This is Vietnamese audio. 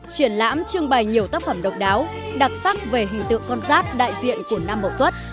triển lãm trưng bày nhiều tác phẩm độc đáo đặc sắc về hình tượng con giáp đại diện của nam mậu tuất